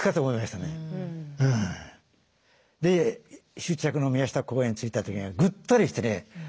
終着の宮下公園着いた時にはぐったりしてね